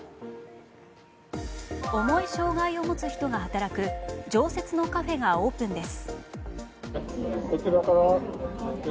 重い障害を持つ人が働く常設のカフェがオープンです。